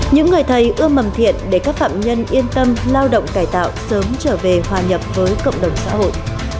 những người thầy ưa mầm thiện để các phạm nhân yên tâm lao động cải tạo sớm trở về hòa nhập với cộng đồng xã hội